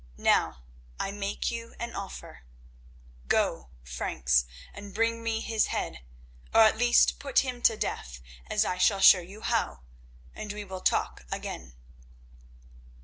Now I make you an offer. Go, Franks, and bring me his head, or at least put him to death as I shall show you how, and we will talk again."